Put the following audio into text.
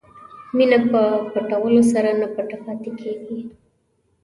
مینه په پټولو سره نه پټه پاتې کېږي.